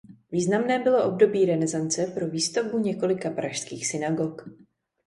Významné bylo období renesance pro výstavbu několika pražských synagog.